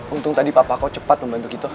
untung tadi pak pako cepat membantu kita